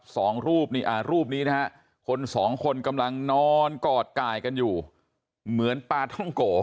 สองรูปนี่อ่ารูปนี้นะฮะคนสองคนกำลังนอนกอดกายกันอยู่เหมือนปลาท่องโก